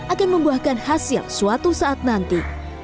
akan membuahkan hasil suatu saat nanti